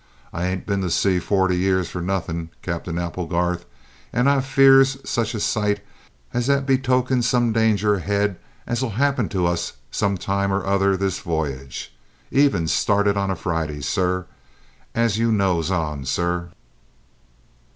I ain't been to sea forty years for nothin', Captain Applegarth, an' I fears sich a sight as that betokens some danger ahead as 'ill happen to us some time or other this voyage. Even started on a Friday, sir, as you knows on, sir!"